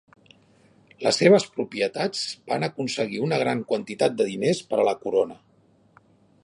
Les seves propietats van aconseguir una gran quantitat de diners per a la corona.